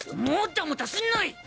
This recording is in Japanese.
もたもたすんない！